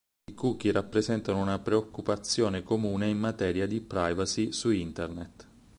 I "cookie" rappresentano una preoccupazione comune in materia di "privacy" su Internet.